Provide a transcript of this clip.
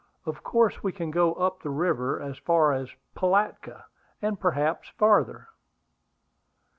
Of course we can go up the river as far as Pilatka, and perhaps farther."